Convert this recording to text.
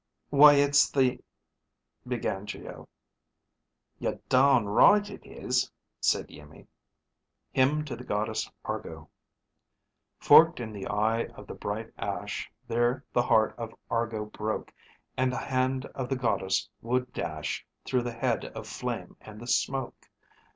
"Why it's the ..." began Geo. "You're darn right it is," said Iimmi. HYMN TO THE GODDESS ARGO _Forked in the eye of the bright ash there the heart of Argo broke and the hand of the goddess would dash through the head of flame, and the smoke.